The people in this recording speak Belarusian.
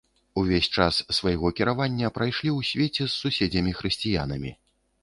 Увесь час свайго кіравання прайшлі ў свеце з суседзямі-хрысціянамі.